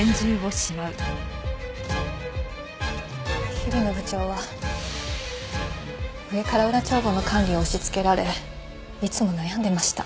日比野部長は上から裏帳簿の管理を押しつけられいつも悩んでいました。